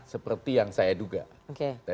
seperti yang saya duga